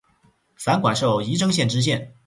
散馆授仪征县知县。